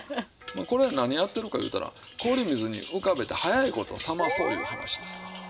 これ何やってるかいうたら氷水に浮かべて早いこと冷まそういう話ですわ。